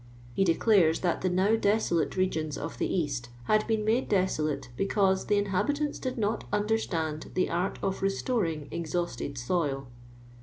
He de I clares that the now desolate regions of the £ait , had been made desolate, because '' the inhabitants ; did not understand the art of restoring exhausted soil."